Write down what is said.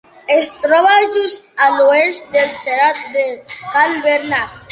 Es troba just a l'oest del Serrat de Cal Bernat.